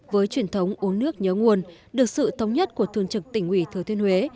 với truyền thống uống nước nhớ nguồn được sự thống nhất của thường trực tỉnh ủy thừa thiên huế